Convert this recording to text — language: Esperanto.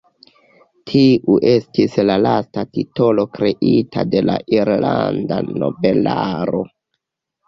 Tiu estis la lasta titolo kreita de la irlanda nobelaro.